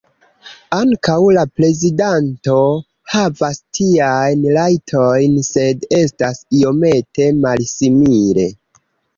Ankaŭ la prezidanto havas tiajn rajtojn sed estas iomete malsimile.